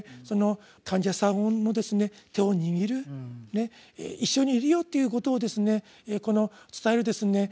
その患者さんの手を握る一緒にいるよということを伝える